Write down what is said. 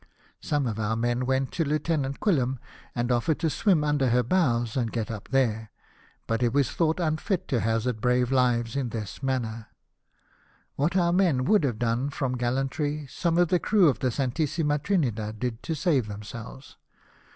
Some of our men went to Lieutenant Quilliam and offered to swim RESULTS OF THE BATTLE. ?>'1\ under her bows and get up there, but it was thought unfit to hazard brave lives in this manner. AVhat our men would have done from gallantry, some of the crew of the Santissima Trinidad did to save themselves.